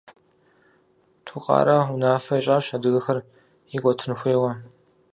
Тукъарэ унафэ ищӏащ адыгэхэр икӏуэтын хуейуэ.